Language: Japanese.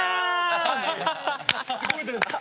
すごいです。